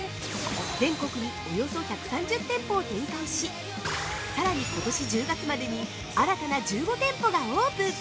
全国におよそ１３０店舗を展開しさらに、ことし１０月までに新たな１５店舗がオープン